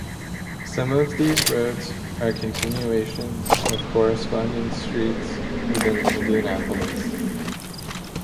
Some of these roads are continuations of corresponding streets within Indianapolis.